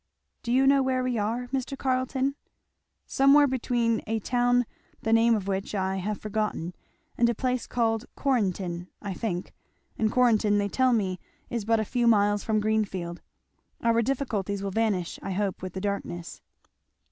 "Do you know where we are, Mr. Carleton?" "Somewhere between a town the name of which I have forgotten and a place called Quarrenton, I think; and Quarrenton, they tell me, is but a few miles from Greenfield. Our difficulties will vanish, I hope, with the darkness."